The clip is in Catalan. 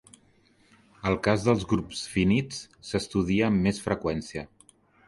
El cas dels grups finits s'estudia amb més freqüència.